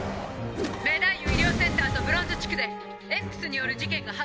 メダイユ医療センターとブロンズ地区でＸによる事件が発生したわ」。